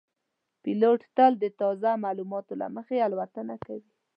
پیلوټ تل د تازه معلوماتو له مخې الوتنه کوي.